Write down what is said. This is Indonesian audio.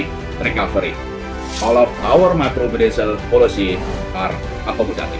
semua polisi makrobudensial kami adalah akomodatif